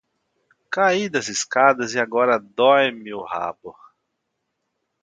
Caí das escadas e agora dói-me o rabo.